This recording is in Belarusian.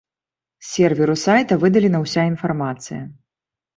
З серверу сайта выдалена ўся інфармацыя.